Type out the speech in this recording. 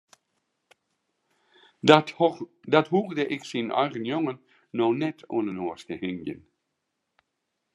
Dat hoegde ik syn eigen jonge no net oan de noas te hingjen.